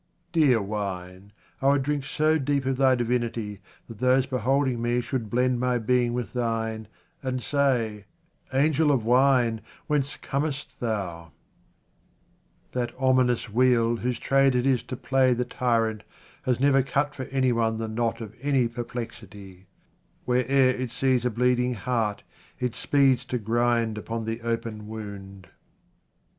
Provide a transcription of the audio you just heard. Dear wine, I would drink so deep of thy divinity that those beholding me should blend my being with thine, and say, " Angel of wine, whence comest thou ?" That ominous wheel whose trade it is to play the tyrant has never cut for any one the knot 52 QUATRAINS OF OMAR KHAYYAM of any perplexity. Where'er it sees a bleeding heart it speeds to grind upon the open wound.